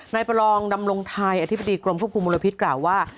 นายประลองดำรงไทยอธิบดีกรมคุณภูมิมูลพิศกล่าวว่า